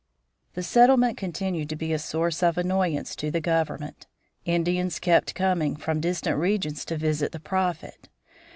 The settlement continued to be a source of annoyance to the government. Indians kept coming from distant regions to visit the Prophet.